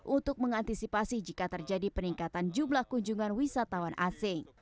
untuk mengantisipasi jika terjadi peningkatan jumlah kunjungan wisatawan asing